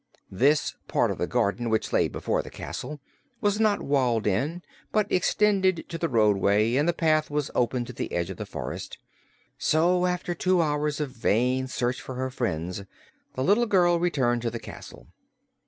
This part of the garden, which lay before the castle, was not walled in, but extended to the roadway, and the paths were open to the edge of the forest; so, after two hours of vain search for her friends, the little girl returned to the castle.